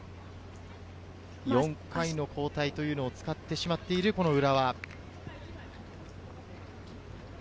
４回の交代枠を使ってしまっている浦和。